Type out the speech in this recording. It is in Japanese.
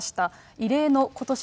異例のことし